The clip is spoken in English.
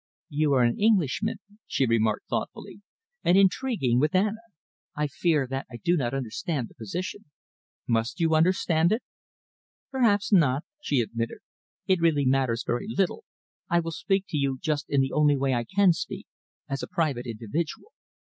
"You are an Englishman," she remarked thoughtfully, "and intriguing with Anna. I fear that I do not understand the position." "Must you understand it?" "Perhaps not," she admitted. "It really matters very little. I will speak to you just in the only way I can speak, as a private individual.